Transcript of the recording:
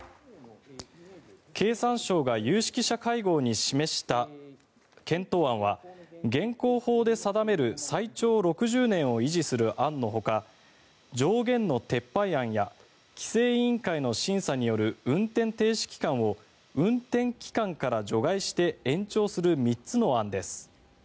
経産省が有識者会合に示した検討案は現行法で定める最長６０年を維持する案のほか上限の撤廃案や規制委員会の審査による運転停止期間を運転期間から除外して延長する３つの案です。